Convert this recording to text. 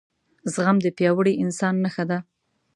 زغم دپیاوړي انسان نښه ده